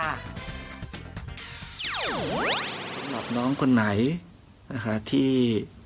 สำหรับน้องคนไหนนะคะที่